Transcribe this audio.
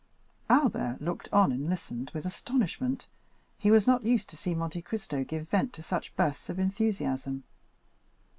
20265m Albert looked on and listened with astonishment; he was not used to see Monte Cristo give vent to such bursts of enthusiasm.